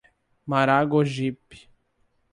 Maragogipe